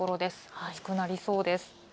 暑くなりそうです。